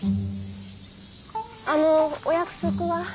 あのお約束は。